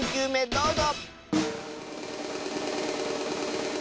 どうぞ！